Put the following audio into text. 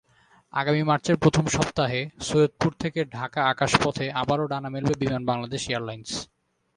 আগামী মার্চের প্রথম সপ্তাহে সৈয়দপুর-ঢাকা আকাশপথে আবারও ডানা মেলবে বিমান বাংলাদেশ এয়ারলাইনস।